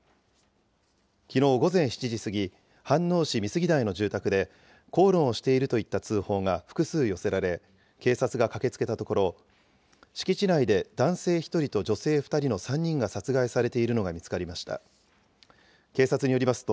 きのう午前７時過ぎ、飯能市美杉台の住宅で、口論をしているといった通報が複数寄せられ、警察が駆けつけたところ、敷地内で男性１人と女性２人の３人が殺害されているのが見つかりました。